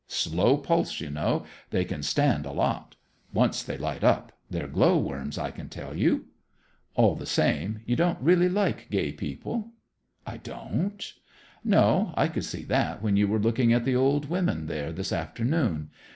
Slow pulse, you know; they can stand a lot. Once they light up, they're glow worms, I can tell you." "All the same, you don't really like gay people." "I don't?" "No; I could see that when you were looking at the old women there this afternoon.